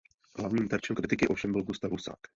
Hlavním terčem kritiky ovšem byl Gustáv Husák.